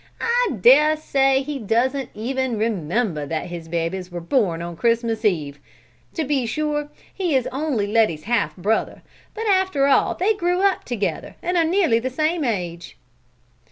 I dare say he doesn't even remember that his babies were born on Christmas eve. To be sure he is only Letty's half brother, but after all they grew up together and are nearly the same age."